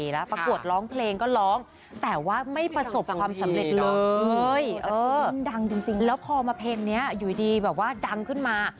ให้แก่งโหงหลับทั้งพันหน้าหลับทั้งพันหน้า